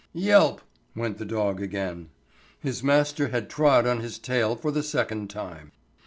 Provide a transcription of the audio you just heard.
Yelp! went the dog again. His master had trod on his tail for the second time.